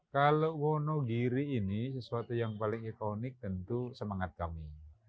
kalau wonogiri ini sesuatu yang paling ikonik tentu semangat kami